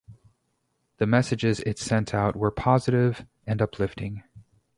The messages it sent out were positive and uplifting.